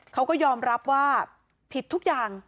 เขาก็ยอมรับว่าผิดทุกอย่าง